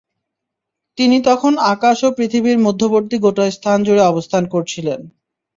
তিনি তখন আকাশ ও পৃথিবীর মধ্যবর্তী গোটা স্থান জুড়ে অবস্থান করছিলেন।